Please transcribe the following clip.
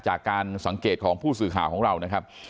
จากการสังเกตของผู้สื่อข่าวของเรานะครับ